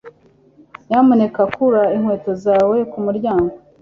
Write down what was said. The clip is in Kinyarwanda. Nyamuneka kura inkweto zawe kumuryango.